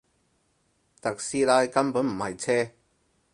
特斯拉根本唔係車